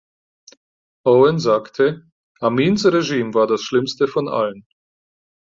Owen sagte: „"Amins Regime war das schlimmste von allen.